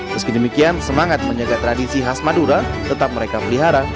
meski demikian semangat menjaga tradisi khas madura tetap mereka pelihara